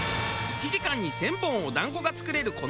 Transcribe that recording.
１時間に１０００本お団子が作れる